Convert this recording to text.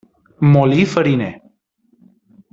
Molí fariner.